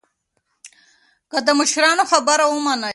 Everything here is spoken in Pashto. د مشرانو خبره ومنئ.